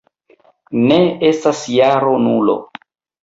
Ne estas jaro Nulo.